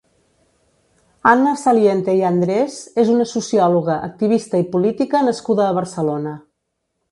Anna Saliente i Andrés és una sociòloga, activista i política nascuda a Barcelona.